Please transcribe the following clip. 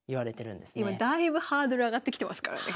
今だいぶハードル上がってきてますからね。